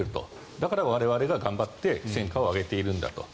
だから我々が頑張って戦果を上げているんだと。